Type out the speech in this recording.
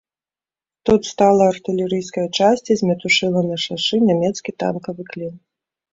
Тут стала артылерыйская часць і змятушыла на шашы нямецкі танкавы клін.